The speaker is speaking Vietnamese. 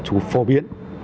chủ phổ biến